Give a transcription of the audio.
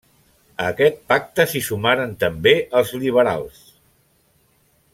A aquest pacte s'hi sumaren també els liberals.